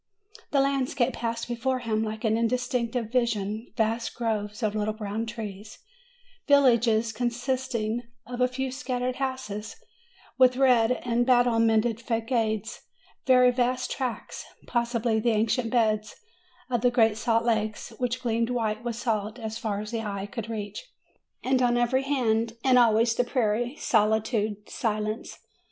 The landscape passed before him like an indistinct vision : vast groves of little brown trees ; villages con sisting of a few scattered houses, with red and battle mented fagades; very vast tracts, possibly the ancient beds of great salt lakes, which gleamed white with salt as far as the eye could reach ; and on every hand, and always, the prairie, solitude, silence.